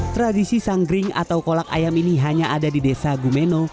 tradisi sanggring atau kolak ayam ini hanya ada di desa gumeno